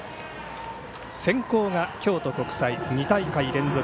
先攻が京都国際２大会連続